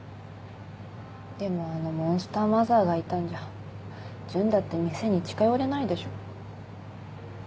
でもあのモンスターマザーがいたんじゃ純だって店に近寄れないでしょ。